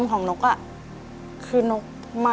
อินโทรเพลงที่๒เลยครับ